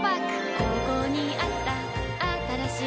ここにあったあったらしい